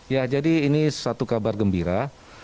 ya jadi ini satu kabar gembira